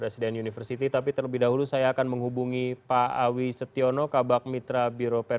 selamat malam mas alvito